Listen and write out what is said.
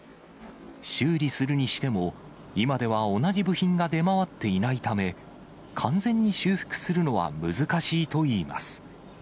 修理するにしても、今では同じ部品が出回っていないため、完全に修復するのは難しいといいます。